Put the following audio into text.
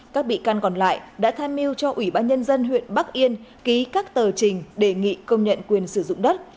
các bị can còn lại đã tham mưu cho ủy ban nhân dân huyện bắc yên ký các tờ trình đề nghị công nhận quyền sử dụng đất